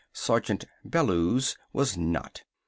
Sergeant Bellews was not.